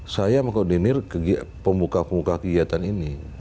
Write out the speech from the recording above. saya mengkoordinir pemuka pemuka kegiatan ini